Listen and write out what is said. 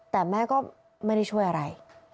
แต่แม่ก็ไม่ได้ช่วยอะไร